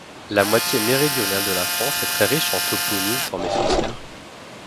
La moitié méridionale de la France est très riche en toponymes formés sur serre.